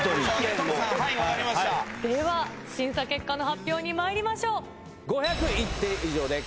では審査結果の発表にまいりましょう。